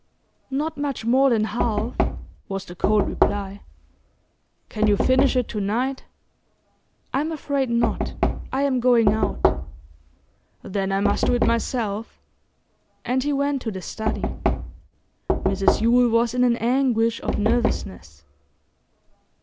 'Not much more than half,' was the cold reply. 'Can you finish it to night?' 'I'm afraid not. I am going out.' 'Then I must do it myself' And he went to the study. Mrs Yule was in an anguish of nervousness.